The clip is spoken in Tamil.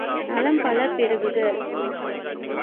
நலம் பல பெருகுக.